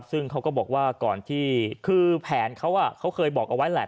ซึ่งเขาก็บอกว่าก่อนที่คือแผนเขาเคยบอกเอาไว้แหละ